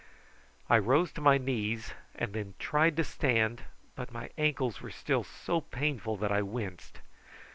I rose to my knees and then tried to stand, but my ankles were still so painful that I winced.